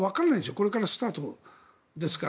これからスタートですから。